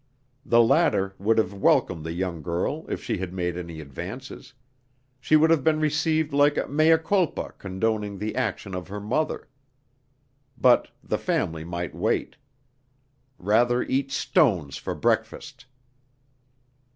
The latter would have welcomed the young girl if she had made any advances; she would have been received like a mea culpa condoning the action of her mother. But the family might wait! Rather eat stones for breakfast!